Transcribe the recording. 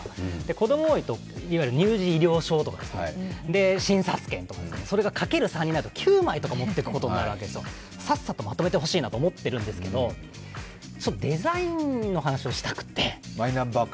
子供が多いと、いわゆる乳児医療証とか診察券とか、それが×３になると９枚とか持っていくことになるわけですよ、さっさとまとめてほしいと思っているんですけどちょっとデザインの話をしたくって。